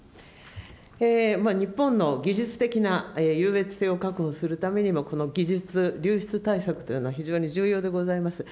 日本の技術的な優越性を確保するためにもこの技術流出対策というのは非常に重要でございます。